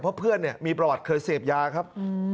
เพราะเพื่อนเนี่ยมีประวัติเคยเสพยาครับ